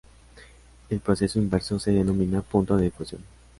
El proceso inverso se denomina punto de fusión.